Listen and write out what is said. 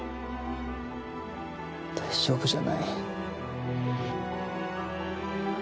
大丈夫じゃない。